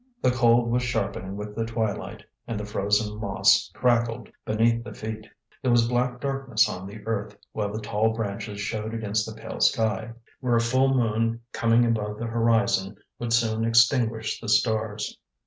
The cold was sharpening with the twilight and the frozen moss crackled beneath the feet. There was black darkness on the earth while the tall branches showed against the pale sky, where a full moon coming above the horizon would soon extinguish the stars.